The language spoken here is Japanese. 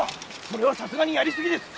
それはさすがにやりすぎです。